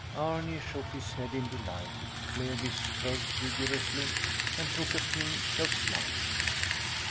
Arni shook his head in delight, cleared his throat vigorously, and took a pinch of snuff.